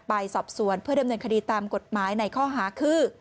ไปสอบสวนเพื่อดำเนินคดีตามกฎหมายในข้อหาคือ